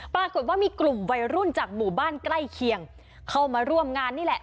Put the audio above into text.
ปรากฏว่ามีกลุ่มวัยรุ่นจากหมู่บ้านใกล้เคียงเข้ามาร่วมงานนี่แหละ